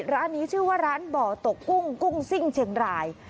ร้านนี้ชื่อว่าร้านบ่อตกกุ้งกุ้งซิ่งเชียงราย